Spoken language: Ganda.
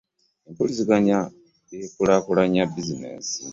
Empuliziganya ekulakulanya bizinensi.